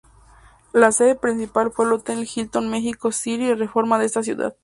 La sede principal fue el hotel Hilton Mexico City Reforma de esa ciudad.